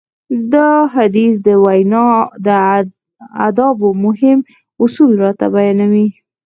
دا حديث د وينا د ادابو مهم اصول راته بيانوي.